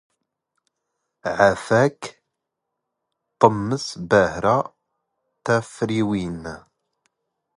ⵄⴰⴼⴰⴽ ⴹⵎⵎⵚ ⴱⴰⵀⵔⴰ ⵜⴰⴼⵔⵉⵡⵉⵏ.